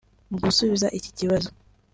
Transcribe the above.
Mu gusubiza iki kibazo